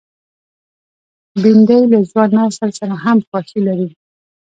بېنډۍ له ځوان نسل سره هم خوښي لري